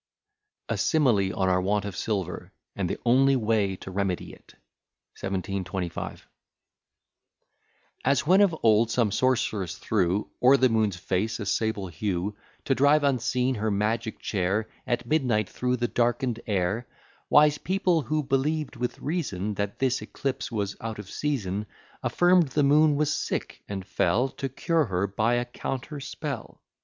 A SIMILE ON OUR WANT OF SILVER, AND THE ONLY WAY TO REMEDY IT. 1725 As when of old some sorceress threw O'er the moon's face a sable hue, To drive unseen her magic chair, At midnight, through the darken'd air; Wise people, who believed with reason That this eclipse was out of season, Affirm'd the moon was sick, and fell To cure her by a counter spell.